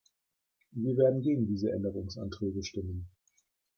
Wir werden gegen diese Änderungsanträge stimmen.